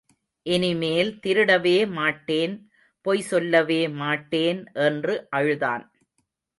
இனிமேல் திருடவே மாட்டேன், பொய்சொல்லவே மாட்டேன் என்று அழுதான்.